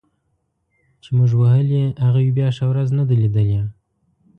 چي موږ وهلي هغوی بیا ښه ورځ نه ده لیدلې